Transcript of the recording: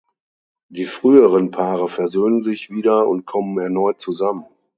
Die früheren Paare versöhnen sich wieder und kommen erneut zusammen.